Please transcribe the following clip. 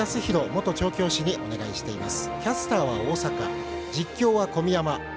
元調教師にお願いしています。